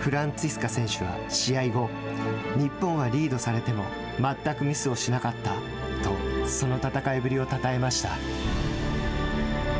フランツィスカ選手は試合後、日本はリードされても全くミスをしなかったとその戦いぶりをたたえました。